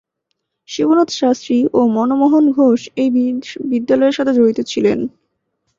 শিবনাথ শাস্ত্রী ও মনমোহন ঘোষ এই বিদ্যালয়টির সাথে জড়িত ছিলেন।